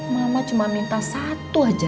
mama cuma minta satu aja